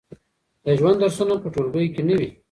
د ژوند درسونه په ټولګیو کې نه وي.